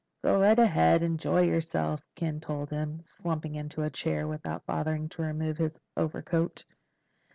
"Go right ahead. Enjoy yourself," Ken told him, slumping into a chair without bothering to remove his overcoat.